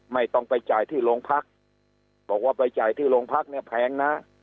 ไม่ต้องไปจ่ายที่โรงพักบอกว่าไปจ่ายที่โรงพักเนี่ยแพงนะ